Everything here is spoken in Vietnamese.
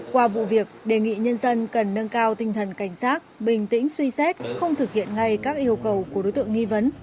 qua vụ việc đề nghị nhân dân cần nâng cao tinh thần cảnh sát bình tĩnh suy xét không thực hiện ngay các yêu cầu của đối tượng nghi vấn